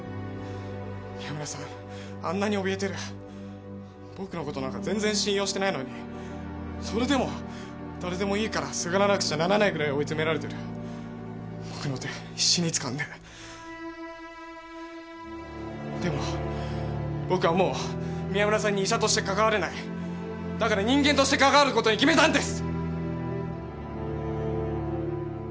宮村さんあんなにおびえてる僕のことなんか全然信用してないのにそれでもすがらなくちゃならないくらい追い詰められてる僕の手必死につかんででも僕はもう宮村さんに医者としてかかわれないだから人間としてかかわることに決めたんです！